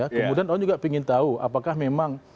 kemudian orang juga ingin tahu apakah memang